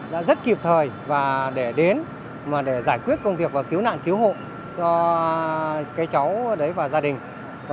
đã rất kịp thời để đến giải quyết công việc và cứu nạn cứu hộ cho cháu và gia đình